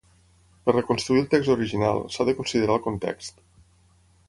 Per reconstruir el text original, s'ha de considerar el context.